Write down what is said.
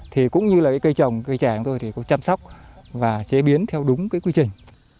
thì cũng như là cái cây trồng cây trẻ của tôi thì cũng chăm sóc và chế biến theo đúng cái quy trình